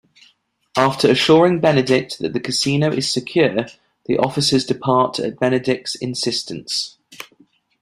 After assuring Benedict that the casino is secure, the officers depart at Benedict's insistence.